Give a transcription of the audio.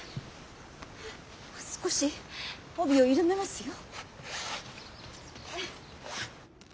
少し帯を緩めますよ。